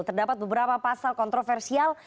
terdapat beberapa pasal kontroversial